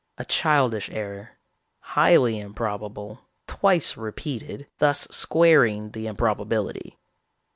A childish error, highly improbable; twice repeated, thus squaring the improbability.